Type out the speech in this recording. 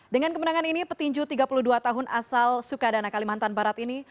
dengan kemenangan ini petinju tiga puluh dua tahun asal sukadana kalimantan barat ini